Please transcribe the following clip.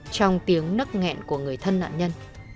trong tiếng nấc nghẹn của người thân nạn nhân